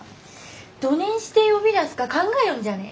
どねんして呼び出すか考えよんじゃねえ？